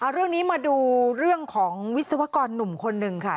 เรื่องนี้มาดูเรื่องของวิศวกรหนุ่มคนหนึ่งค่ะ